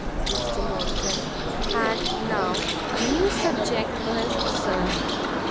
Mr Monckton had now a new subject for his discernment.